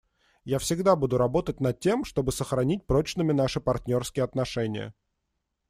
Я всегда буду работать над тем, чтобы сохранить прочными наши партнерские отношения.